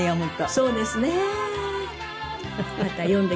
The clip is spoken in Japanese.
そうですね。